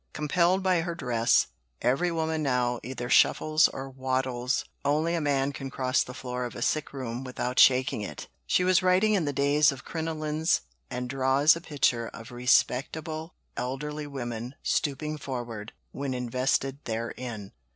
"Compelled by her dress, every woman now either shuffles or waddles only a man can cross the floor of a sick room without shaking it." She was writing in the days of crinolines, and draws a picture of "respectable elderly women stooping forward," when invested therein.